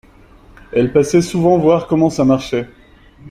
Elle passait souvent voir comment ça marchait